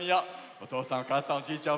おとうさんおかあさんおじいちゃん